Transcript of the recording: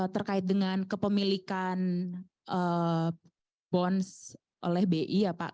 terkait dengan kepemilikan bons oleh bi ya pak